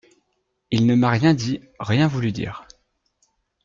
Il ne m'a rien dit, rien voulu dire.